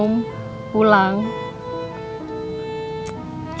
makasih banyak lah tante